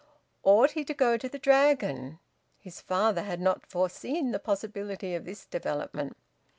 Ought he to go to the Dragon? His father had not foreseen the possibility of this development.